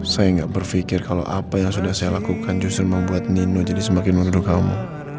saya nggak berpikir kalau apa yang sudah saya lakukan justru membuat nino jadi semakin menuduh kamu